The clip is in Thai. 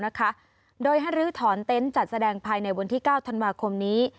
นะคะโดยให้ลื้อถอนเต็นต์จัดแสดงภายในวันที่๙ธันวาคมนี้